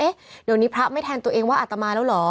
เดี๋ยวนี้พระไม่แทนตัวเองว่าอัตมาแล้วเหรอ